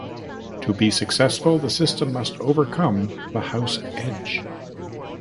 To be successful, the system must overcome the house edge.